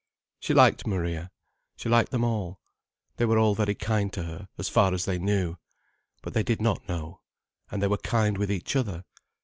She liked Maria. She liked them all. They were all very kind to her, as far as they knew. But they did not know. And they were kind with each other.